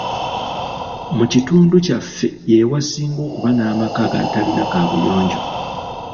Mu kitundu kyaffe ye wasinga okuba n'amaka agatalina kaabuyonjo.